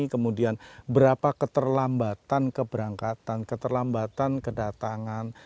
kemudian berapa keterlambatan keberangkatan keterlambatan kedatangan